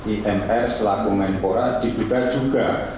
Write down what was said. i n r selaku menkora diduga juga